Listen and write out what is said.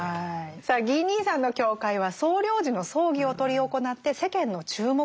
さあギー兄さんの教会は総領事の葬儀を執り行って世間の注目を集めます。